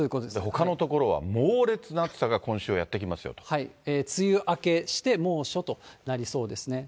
ほかの所は猛烈な暑さが今週はやって来ますよと。梅雨明けして、猛暑となりそうですね。